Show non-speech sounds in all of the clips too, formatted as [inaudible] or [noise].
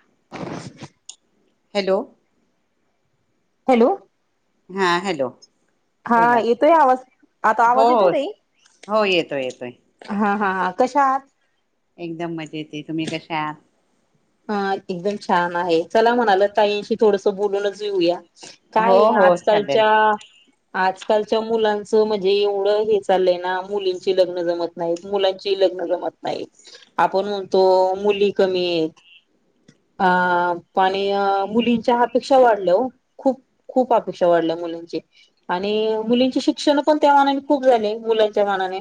[unintelligible] Hello, hello, हा hello, हा बोला येतोय आवाज आता हो आवाज येतोय हो तई, हो येतोय येतोय हा हा कशा आहात, एकदम मजा येते तुम्ही कशा आहात, हा एकदम छान आहे, चला म्हणाल ताईंशी थोडस बोलूनच येेऊया हो काय हो आज चालेल कालच्या आजकालच्या मुलांचं म्हणजे एवढं हे चाललंय ना मुलींची लग्न जमत नाहीत मुलांची ल जत नाही आपण म्हणतो मुली कमी आहेत अ आणि मुलींच्या अपेक्षा वाढल्या हो खूप-खूप अपेक्षा वाढल्या मुलीं आणि मुलींचे शिक्षण पण त्या मानाने खूप झाले मुलांच्या मानाने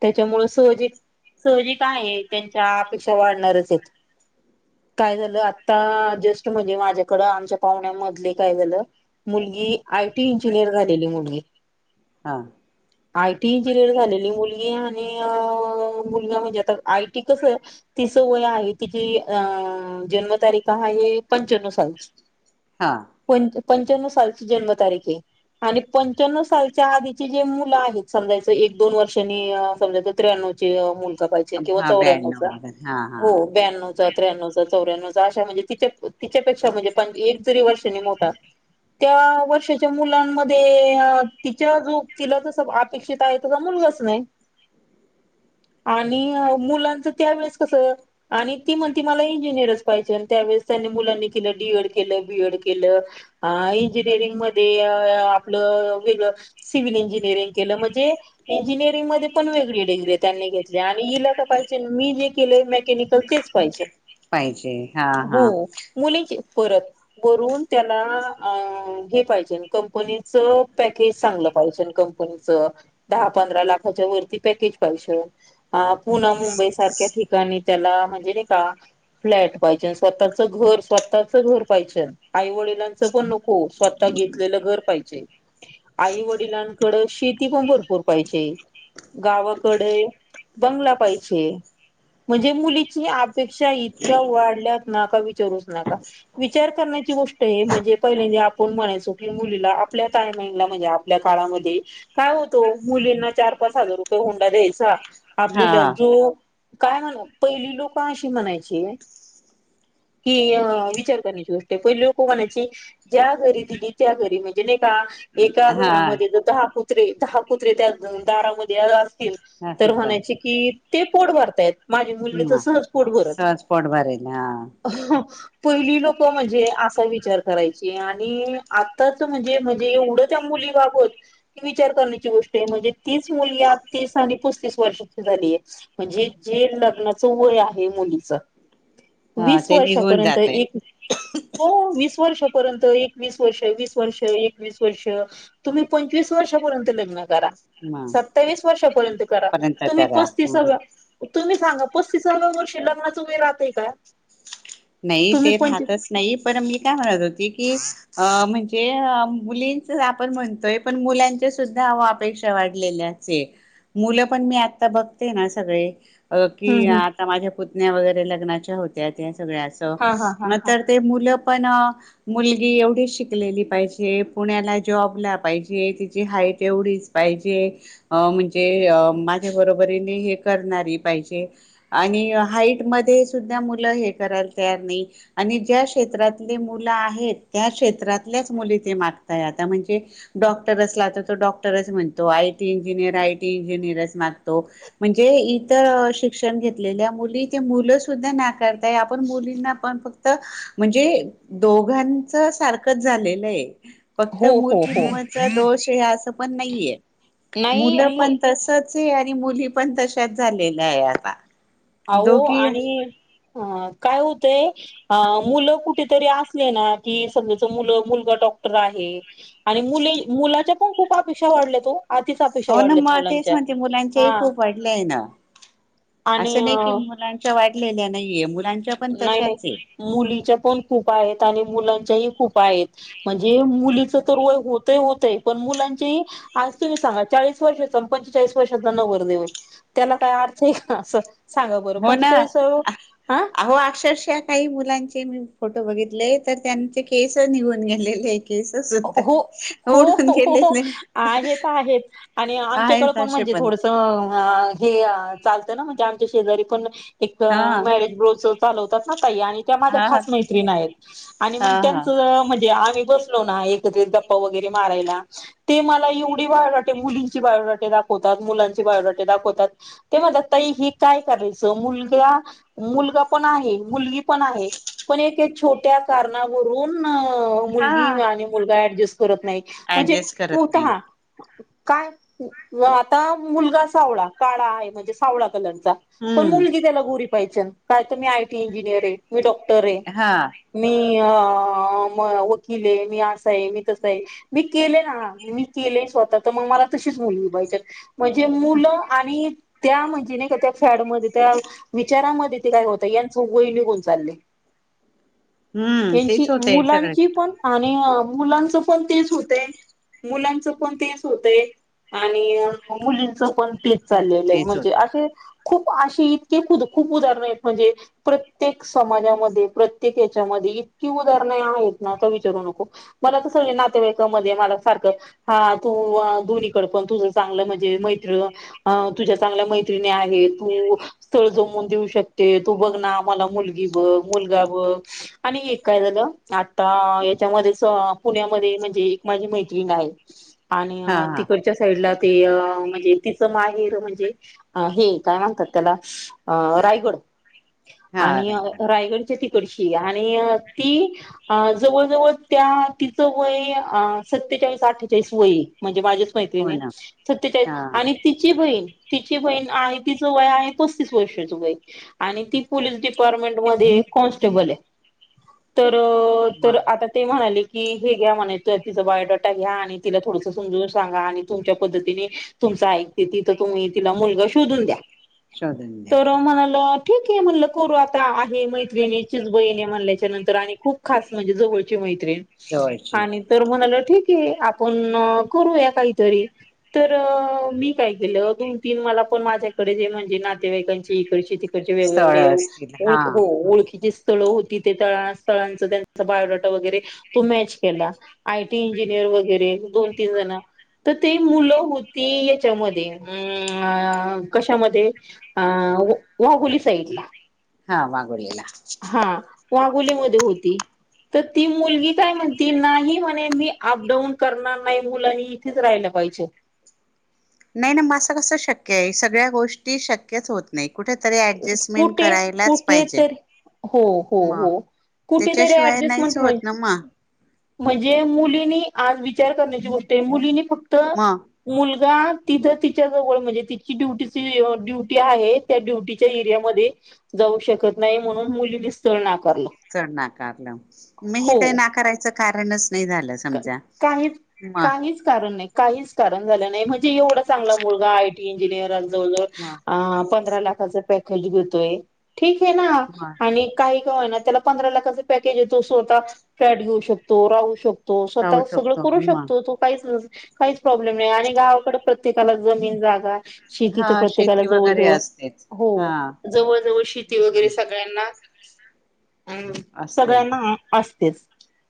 त्याच्यामुळ सहजिक-सहजिक आहे त्यांच्या अपेक्षा वाढणारच आहेत [inaudible] काय झालं आता जस्ट म्हणजे माझ्याकड आमच्या पाहुण्यामधले काय झालं मुलगी आयटी इंजिनियर झालेली मुलगी, हा, आयटी इंजिनियर झालेली मुलगी आणि मुलगा म्हणजे आता आयटी कसं आहे तिचं वय आहे, तिची अ जन्मतारीख आहे पंचाण्व सालची हा पंच पंच्चानव सालची जन्म तारीखे हे आणि पंच्याण्णव सालच्या आधीचे जे मुलं आहेत समजायचं एक दोन वर्षांनी समजायच त्र्याण्व चे मुलचा पाहिजे किंवा हा चौऱ्याणव ब्याण्णव चा वगैरे हा हा हो ब्यानवच त्रानव चा चौऱ्यानव अश म्हणजे तिच्यापेक्षा म्हणजे एक जरी वर्षनी मोठा त्या वर्षाच्या मुलांमध्ये तिच्या जो तिला जस अपेक्षित आहे तस मु नाही आणि मुलांच त्या वेळेस कसं आणि ती म्हणते मला इंजिनियरच पाहिजे आणि त्यावेळेस त्यांनी मुलांनी केलं डी. एड. केलं बी. एड. केलं अ इंजिनिअरिंगमध्येध्ये आपलं वेगळं सिव्हल इंजिनिअरिंग केलं म्हणजे इंजिनिअरिंग मध्ये पण वेगळी डग्री त्यांनी घेतली आणि हिला का पाहिजे मी जे केले मेकॅनिक तर तेच पाहिजे पाहिजे हा हा हो मुलीची परत वरून त्याला घे पाहिजे कंपनीचं पॅकेज सांगलं पाहिजेल कंपनीच दहा पंधरा लाखाच्या वरती पॅकेच पाहिजे आ पुणा मुंम मुंबई सारख्या ठिकाणी त्याला म्हणजे नाही का फ्लॅट पाहिजे स्वतःच घर स्वतःच घर पाहिजे आई वडिलांचं पण नको स्वतः घलं घर पाहिजे आई वडिलांकड शेती पण भरपूर पाहिजे गावाकडे बंगला पाहिजे म्हणजे मुलीची अपेक्षा इतक्या वाढल्यात नाका विचारूच नका विचार करण्याची गोष्ट ण आप म्ह क आपल्याा आपल्या का काय होतो मुलींना चार पाच हजार रुपये होंडा द्यायचा हा आपल्याला जो काय म्हण पहिली लोक अशी म्हणायची कि विचार करण्याची गोष्ट आहे पहिली लोक म्हणायची ज्या घरी दिली त्या घरी म्हणजे नाही का एका हा घरामध्ये दहा कुत्रे दहा कुत्रे त्या दारामध्ये तर असेल बर म्हणायचे कि ते पोट भर [inaudible] माझे मुलगीच ह सहज पोट भरत सहज पोट भरेल हा पहिली लोक म्हणजे असा विचार करायची आणि आताच म्हणजे म्हणजे एवढं त्या मु विचार करण्याची गोष्ट म्हणजे तीच मुली आ तीस आणि पस्तीस वर्षाची झाली आहे म्हणजे जे लग्नाचं वय आहे मुलीच हा वीस ते निघून वर्षापर्यंत जाते एक हो वीस वर्षापर्यंत एकवीस वर्ष वीस वर्ष एकवीस वर्ष तुम्ही पंचवीस वर्षापर्यंत लग्ना करा ह सत्तावीस वर्षापर्यंत करा पर्यंत तुम्ही करा पस्तीस तुम्ही सांगा पस्तीसाव वर शिीलगनाच वे राहते का नाही तुम्ही ते पंचवी राहतच नाही पण मी काय म्हणत होती की अ म्हणजे मुलींच आपण म्हणतोय पण मुलांच्या सुद्धा अपेक्षा वाढलेल्या आहेत मुलं पण मी आता बघते ना सगळे अ कि हं हं आता माझ्या पुतण्या् वगैरे लग्नाच्या होत्या त्या सगळ्यांचं हा हा हा हा. नंतर ते मुलं पण मुलगी एवढी शिकलेली पाहिजे पुण्याला जॉबला पाहिजे तची हा तेवढीच पाहिजे म्हणजे माझ्या बरोबरीने हे करणारी पाहिजे आणि हाईट मध्ये सुद्धा मुलं हे करायला तयार नाही आणि ज्या क्षेत्रातले मुलं आहेत त्या क्षेत्रातल्याच मुली ते माग आता म्हणजे डॉक्टर असला तर तो डॉक्टरच म्हणतो आयटी इंजिनियर आयटी इंजिनियर म्हणजे इतर शिक्षण घेतलेल्या मुली मुलं सुद्धाकार आपण बलींना पण फक्त म्हणजे दोघांच सारखंच झालेलं आहे फक्त हो हो हो मुलींच दोष आहे असं पण नाहीये नाही मुलं मु पण तसच आहे आणि मुली पण तशच झालेल्या आहे आता होह दोघी आणि हो अ हो मुलं कुठेतरी असले ना की समजा मुलगा डॉक्टर आहे आणि मुले मुलाच्या पण खूप अपेक्षा वाढल्या तो हो ना मग तेच म्हणते मुलांचेही हा. खूप वाडले आहे ना अस आणि अ, नाही की मुलांच्या वाढलेल्या नाहीे मु नाही नाही मुलीच्या पण खूप आहेत आणि मुलांच्या खूप आहेत म्हणजे मुलीच तर वय होत होतय पण मुलांच्या तुम्ही सांगा चाळीस वर्षाचा पंचेचाळीस वर्षाचा नवर देव त्याला काय अर्थ आहे का अस सांगा बरं हो ना पंचेचाळीस हं अहो अक्षरशः काही मुलांचे मी फोटो बघितले तर त्यांचे केस निघून गेलेले केस सुद्धा हो नाही उडून हो गेलेले आहेत आहेत आणि आमच्याकडें आहेत पण म्हण असे म्हणजे थोडस हे चालत ना म्हणजे आमच्या शेजारी पण एक हा मॅरेज बो चालवतात ना त्या माझ्या हा खास मैत्रीण आहेत आणि मग हा हा त्यांच म्हणजे आम्ही बसलो ना गप्पावगैरे माराय ला मला ते एवढी बायोडाटे मुलींची बायोडाटे दाखवतात मुं बायोडाटा दाखवतात ते म्हणतात ताइ हे काय करायचं मुलगा मुलगा पण आहे मुलगी पण आहे पण एक छोट्या कारणावरून मुलगी हा आणि मुलगा ऍडजस्ट करत नाही म्हणजे ऍडजस्ट करत पत नाही काय आता मुलगा सावळा काळा आहे म्हणजे सावळा कलर पण हम्म मुली त्याला गरी पाहिे काय मी आयटी इंजिनियर आहे मी डॉक्टर आहे हा मी वकील आहे मी आहे मी तसं आहे मी केलेय ना मी केलेय स्वतः तर मग मला तशीच मुलगी पाहिजे म्हणजे मुलं आणि त्या म्हणजे नाही का त्या फॅडमध्ये त्या विचारामध्ये ते काय होत यांचं वय निघून चाललं हम्म यांची तेच होतय सगळे मुलांची पण आणि मुलांचं पण तेच होते मुलांच पण तेच होतंय आणि मुलींच पण चाललेलं तेच म्हणजे होतय असे खूप अशी इतके ख खूप उदाहरण आहेत म्हणजे प्रत्येक समाजामध्ये प्रत्येक याच्यामध्ये इतकी उदाहरणे आहेत ना विचारू नको मला तर सगळे नातेवाईकमध्येध्ये मला सारखं हा तू दोनीकड पण तुझं चांगलं म्हणजे मा तुझ्या चांगल्या मैत्रि आहे तूथ जमून देऊ शकते तू बघ मला मुलगी ब मुलगा ब आणि एक काय झालं आता याच्यामध्ये पुण्यामध्ये म्हणजे एक माझी मैत्र्रीण आहे आणि हा हा तिकडच्या साईडला ते म्हणजे तिचं माहेर म्हणजे हे काय म्हगतात त्याला रायगड हा आणि रायकड रायगडच्या ति आणि ती जवळ जवळ त्या वय सचाळी अ्ठेचाळीस वय म्हणजे मैति हो ना सच्या हा आणि तिची बहीण तिची बहीण आहे तिचं वय आहे पस्तीस वर्षाच वय आणि ती पोलीस डिपार्टमेंट मध्ये कॉन्स्टेबल आहे तर म तर आता ते म्हणाले कि हे घ्या म्हण तिचा बायोडाटा घ्या आणि तिला थोडस समजून सांगा आणि तुमच्या पद्धतीने त तु तिथ तुम्ही तिला मुलग शोधून द्या शोधून द्या तर म्हणा ठीक आहे म्हणलं करू आता आहे मैत्रिणीचीिच बहीणी म्हणल्याच्या नंतर आणि खूप खास म्हणजे जवळची मैत्रीिणी जवळची आणि तर म्हणाल ठीक आहे आपण करूया काहीतरी तर मी काय केलं दोन तीन मला पण माझ्याकडेे म्हणजे नातेवाईकांची इकड े स्थळ वेगवेगळे असतील ओळ हा हो ओळखीचे स्थळ होती ते त स्थळांच त्यांचा बायोडाटा वगैरे तो मॅच केला आयटी इंजिनियर वगैरे दोन तीन जण तर ते मुलं होती याच्यामध्ये कशामध्ये अ वाहुली साईड ला हा मागोडला पुलीमध्ये होती तर ती मुलगी काय म्हण त नाही म्हणे मी अपडाऊन करणार नाही मुलानी इथेच राहिलं पाहिच नाही ना म असं कसं शक्य आहे सगळ्या गोष्टी शक्यच होत नाही कुठेतरी ऍडजस्टमेंट कुठे करायलाच कुठे पाहिजे तरी हो हो म हो कुठेतरी त्याच्याशिवाय ऍडजस्टमेंट नाहीच होईल. होत ना म म्हणजे मुलीनी आज विचार करण्याची गोष्ट मुलीनी फक्त मग मुल तिथं तिच्या जवळ म्हणजे तिची ड्युटी ड्युटी आहे त्या ड्युटी एरिया म जाऊ शकत नाही म्हणून मुलीतळ चड नाकारलं मग हे काही हो नाकारायचं कारणच नाही झालं समजा काहीच म काहीच कारण नाही काहीच कारण झालं नाही म्हणजे एवढं चांगला मुलगा इंजिनिर जवळ म जवळ पंधरा लाखच पॅकेज घेतोय ठीक आहे ना म आणि काही त्या पंरा लाख पकेज येतो स्वतः फ्लॅट घेऊ शकतो राहू शकतो तो राहू स्वतः सगळं शकतो करू म शकतो तो काहीच काहीच प्रॉब्लेम नाही आणि गावाकड प्रत्येकाला जमीन जागा शेती तर हा प्रत्येकाला शेती वगैरे जवळजवळ असतेच हो हा जवळ जवळ शेती वगैरे सगळ्यांना हम असते सगळ्यांना असतेच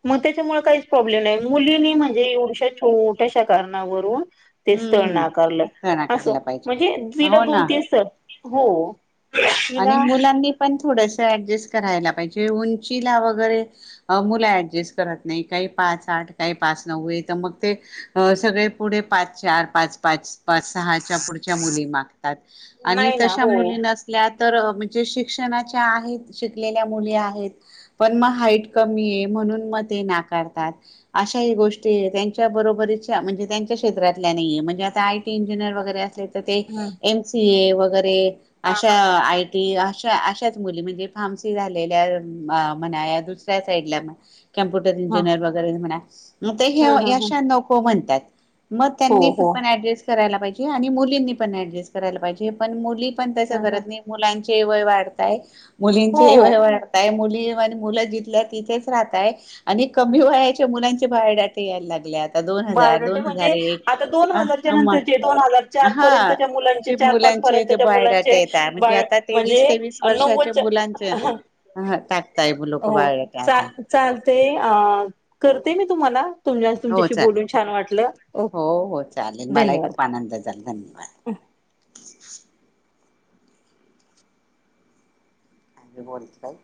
मग त्याच्यामुळे काहीच प्रॉब्लेम नाही मुलीनी म्हणजे एवढश्या छोट्याशा कारणावरून ते हम्म स्थळ हम्म नाकारलं असं नाकारला पाहिजे म्हणजे हो तलं दोन ना तेन स्थळ हो आणि तिला मुलांनी पण के उं आठ काही पा नव मग ते सगळे पुढे पा चार पाच पा पुढच्या मुली मागतात आणि नाही ना तशा हो मुलीना तर म्हणजे शिक्षणाच्या आहेत शिकलेल्या मुली आहेत पण म हाईट कमी ये म्हणुन ते नाकारतात अशा गोष्टी ये त्यांच्या बरोबरीच्या म्हणजे त्यांच्या क्षेत्रातील म्हणेजे आय टी इंजिनियर वगैरे असे ते हम्म. एम सी ए वगैरे हा अशा हा. आय टी अशच मुली म्हणजे फार्मसी झालेल्या म्हणायादुसऱ्या साईडला कम्प्युटर हा इंजिनियर वगैरे म्हणा ते हा हा हे हा अशा नको म्हणतात. मग हो त्यांनी हो पण ऍडजस्ट करायला पाहिजे आणि मुलींनी पण ऍडजस्ट करायला पाहिजे पण मुली पण तसं ह ह नाही मुलांचे वय वाढत आहे हो. मुलींचे वय वाढत आहे मुले जिथल्या तिथेच राहत आहे आणि कमी वयाच्या मुलांचे बायोटाटे यायला लागल्यात दोन हजार बायोडेटे दोन हजार म्हणजे एक आता दोन हजारच्या हा नंतरचे दोन हजार चार पर्यंतच्या मुलांचे चार मुला [unintelligible] [unintelligible] अन पाच पर्यंतच्या ऎंटिलेजेबल मुलांचे म्हणजे नव्वद मुलांचे [unintelligible] ह टाकताय लोक हो बायोडाटा चा आता चालते अ करते मी अन हो ऎंटिलेजेबल चालेल बोलुन छान वाटलं हो हो चालेल मलाही धन्यवाद खूप आनंद झाला धन्यवाद अन ऎंटिलेजेबल